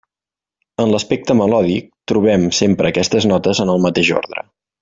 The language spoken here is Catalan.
En l'aspecte melòdic, trobem sempre aquestes notes en el mateix ordre.